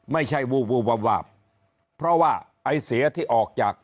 ไม่ใช่วูววววาววาวเพราะว่าไอ้เสียที่ออกจาก